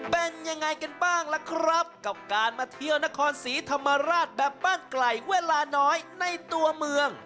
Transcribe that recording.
เป็นยังไงกันบ้างล่ะครับกับการมาเที่ยวนครศรีธรรมราชแบบบ้านไกลเวลาน้อยในตัวเมือง